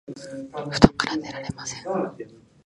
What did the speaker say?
布団から出られません